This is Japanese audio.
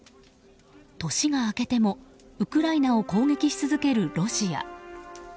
年が明けてもウクライナを攻撃し続けるロシア。